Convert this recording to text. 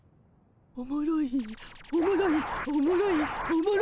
おもろいおもろいおもろいおもろい。